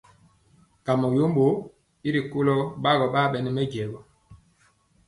Kamɔ yombo i ri asu ɓorɔ ɓaa ɓɛ nɛ mɛjɛ gɔ.